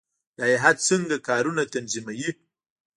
لایحه څنګه کارونه تنظیموي؟